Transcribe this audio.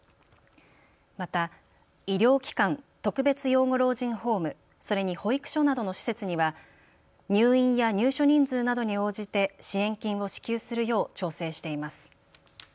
また医療機関、特別養護老人ホーム、それに保育所などの施設には入院や入所人数などに応じて支援金を支給するよう調整しています。